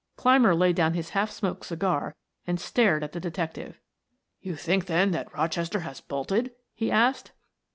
Clymer laid down his half smoked cigar and stared at the detective. "You think then that Rochester has bolted?" he asked.